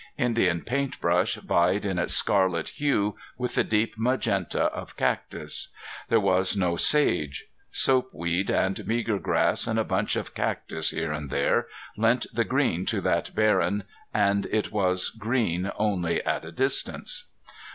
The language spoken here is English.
Indian paint brush vied in its scarlet hue with the deep magenta of cactus. There was no sage. Soap weed and meager grass and a bunch of cactus here and there lent the green to that barren, and it was green only at a distance.